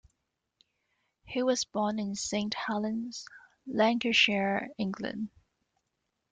He was born in Saint Helens, Lancashire, England.